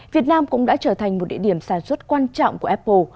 việt nam cũng đã trở thành một địa điểm sản xuất quan trọng của apple